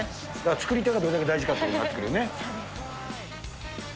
作り手がどれだけ大事かっていうことになってくるよね。